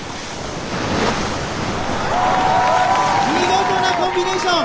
見事なコンビネーション。